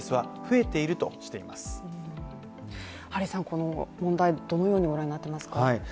この問題、どのようにご覧になっていますか？